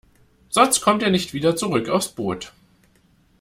Sonst kommt ihr nicht wieder zurück aufs Boot.